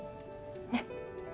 ねっ。